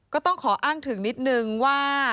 ก็ต้องขออ้างถึงนิดนึงว่า